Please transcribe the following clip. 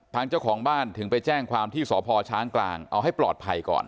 เจ้าของบ้านถึงไปแจ้งความที่สพช้างกลางเอาให้ปลอดภัยก่อน